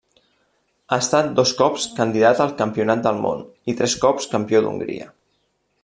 Ha estat dos cops Candidat al Campionat del món, i tres cops Campió d'Hongria.